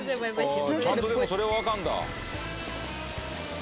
ちゃんとでもそれはわかるんだ。